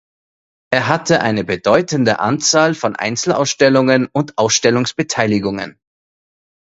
Er hatte eine bedeutende Anzahl von Einzelausstellungen und Ausstellungsbeteiligungen.